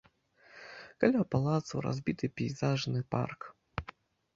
Каля палацу разбіты пейзажны парк.